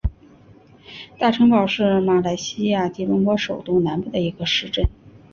大城堡是马来西亚吉隆坡首都南部的一个市镇。